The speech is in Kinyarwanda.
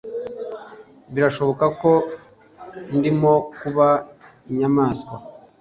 Birashoboka ko ndimo kuba inyamanswa